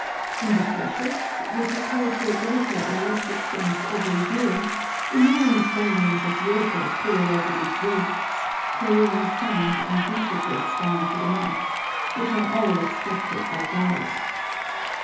In the freshets, which occur to a greater or less extent every year, enormous volumes of water pour over these wastes, carrying sand and detritus down to the mouths, which are all obstructed by bars.